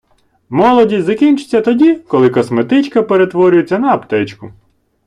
Молодість закінчується тоді, коли косметичка перетворюється на аптечку.